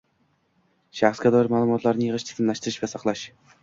Shaxsga doir ma’lumotlarni yig‘ish, tizimlashtirish va saqlash